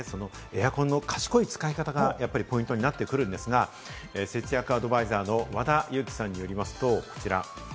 エアコンの賢い使い方がポイントになってくるんですが、節約アドバイザーの和田由貴さんによりますと、こちら。